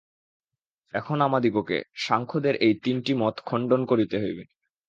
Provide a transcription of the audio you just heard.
এখন আমাদিগকে সাংখ্যদের এই তিনটি মত খণ্ডন করিতে হইবে।